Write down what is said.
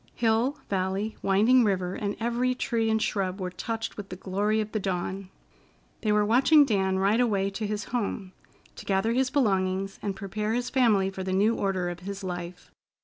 Hill, valley, winding river, and every tree and shrub were touched with the glory of the dawn. They were watching Dan ride away to his home, to gather his belongings, and prepare his family for the new order of his life.